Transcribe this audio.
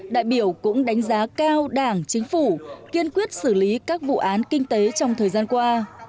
đại biểu cũng đánh giá cao đảng chính phủ kiên quyết xử lý các vụ án kinh tế trong thời gian qua